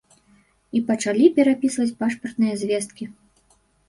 І пачалі перапісваць пашпартныя звесткі.